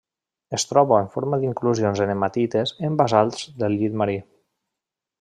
Es troba en forma d'inclusions en hematites en basalts del llit marí.